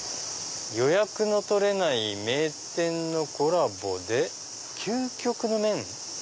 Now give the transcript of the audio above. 「予約の取れない名店のコラボで究極の麺」。